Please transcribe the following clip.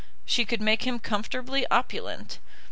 She could make him comfortably opulent.